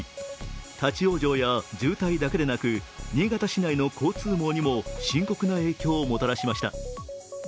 立往生や渋滞だけでなく新潟市内の交通網にも深刻な影響をもたらしました。